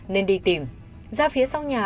nên đi tìm ra phía sau nhà